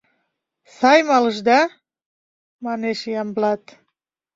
Сай мал ышда? — манеш Ямблат.